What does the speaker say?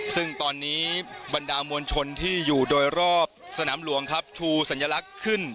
ซึ่งตอนนี้บรรดามวลชนที่อยู่โดยรอบสนามหลวงครับชูสัญลักษณ์ขึ้น